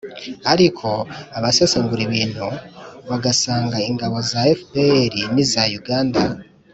ariko abasesengura ibintu bagasanga ingabo za fpr n'iza uganda